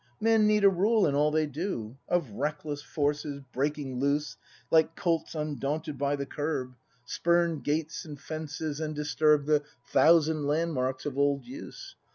Men need a rule in all they do; Or reckless forces, breaking loose. Like colts undaunted by the curb. 240 BRAND [act v Spurn gates and fences, and disturb The thousand landmarks of old Use.